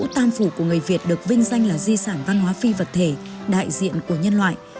là một trong những vị diện của nhân loại